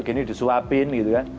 gini disuapin gitu kan